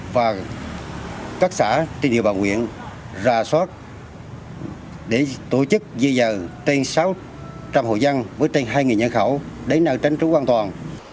và các xã tỉnh địa bàn huyện ra soát để tổ chức di rời tên sáu trăm linh hồ dân với tên hai ngay khẩu để nợ tránh trú an toàn